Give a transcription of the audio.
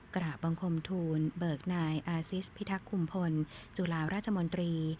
กราบบังคมทูลเบิกนายอาซิสพิทักษุมพลจุฬาราชมนตรี